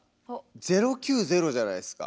「０９０」じゃないっすか。